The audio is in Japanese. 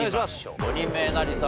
５人目えなりさん